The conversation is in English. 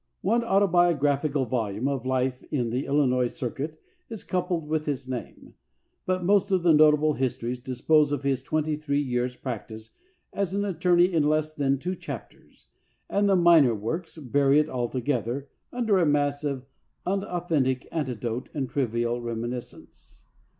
One autobiograph ical volume of life on the Illinois circuit is coupled with his name; but most of the notable histories dispose of his twenty three years' practice as an attorney in less than two chapters, and the minor works bury it altogether under a mass of un authentic anecdote and trivial reminiscence.